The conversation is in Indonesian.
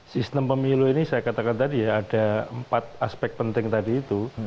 sistem pemilu ini saya katakan tadi ya ada empat aspek penting tadi itu